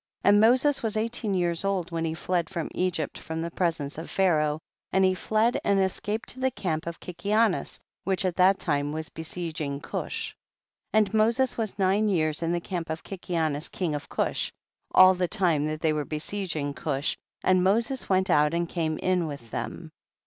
22. And Moses was eighteen years old when he fled from Egypt from the presence of Pharaoh, and he fled and escaped to the camp of Kiki anus, which at that time was besieg ing Cush. 23. And Moses was nine years in the camp of Kikianus king of Cush, all the time that they were besieging Cush, and Moses went out and came in with them.